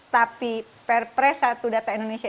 tapi pr press satu data indonesia